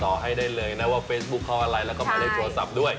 ให้ได้เลยนะว่าเฟซบุ๊คเขาอะไรแล้วก็หมายเลขโทรศัพท์ด้วย